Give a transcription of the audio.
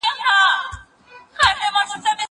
زه اوږده وخت کتابونه لولم وم!.